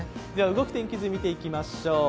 動く天気図、見ていきましょう。